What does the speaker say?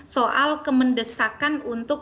soal kemendesakan untuk